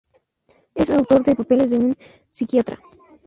Es autor de "Papeles de un psiquiatra.